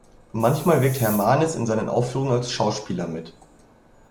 Manchmal wirkt Hermanis in seinen Aufführungen als Schauspieler mit.